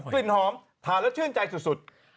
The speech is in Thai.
กลิ่นหอมถ่าและเชื่อนใจสุด